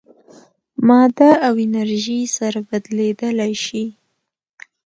ماده او انرژي سره بدلېدلی شي.